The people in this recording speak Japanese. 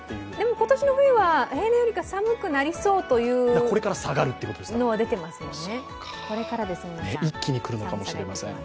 今年の冬は平年よりかは寒くなりそうというのは出ていますもんね。